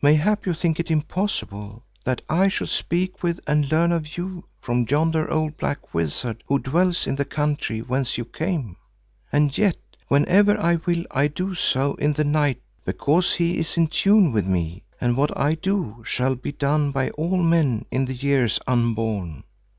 Mayhap you think it impossible that I should speak with and learn of you from yonder old black wizard who dwells in the country whence you came. And yet whenever I will I do so in the night because he is in tune with me, and what I do shall be done by all men in the years unborn.